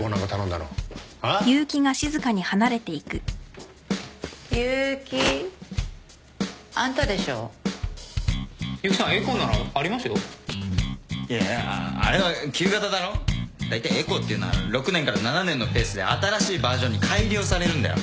だいたいエコーっていうのは６年から７年のペースで新しいバージョンに改良されるんだよ。